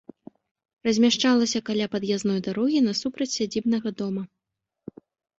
Размяшчалася каля пад'язной дарогі, насупраць сядзібнага дома.